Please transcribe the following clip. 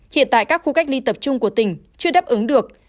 hiện tại các khu cách ly tập trung của tỉnh chưa đáp ứng được